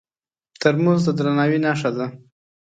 ترموز د درناوي نښه ده.